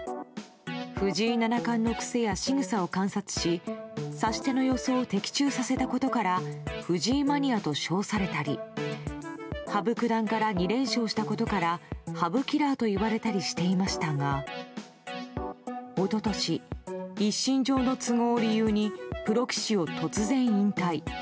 藤井七冠の癖やしぐさを観察し差し手の予想を的中させたことから藤井マニアと称されたり羽生九段から２連勝したことから羽生キラーといわれたりしていましたが一昨年、一身上の都合を理由にプロ棋士を突然、引退。